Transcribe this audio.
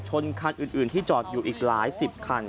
ชนคันอื่นที่จอดอยู่อีกหลายสิบคัน